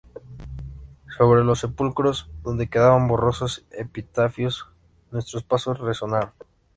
sobre los sepulcros, donde quedaban borrosos epitafios, nuestros pasos resonaron.